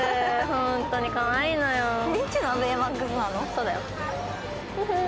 そうだよ。